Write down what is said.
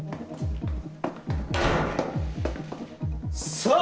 ・さあ